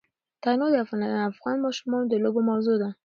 تنوع د افغان ماشومانو د لوبو موضوع ده.